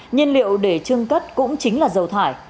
nhân liệu để chương cất cũng chính là dầu thải